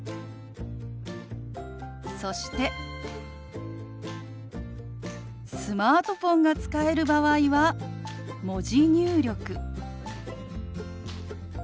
そしてスマートフォンが使える場合は文字入力。